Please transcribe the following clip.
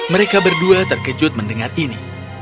mereka berdua terkejut mendengar ini